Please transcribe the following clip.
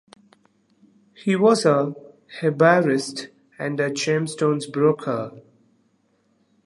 He was hebraist and gemstones broker.